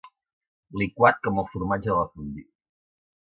Liquat com el formatge de la fondue.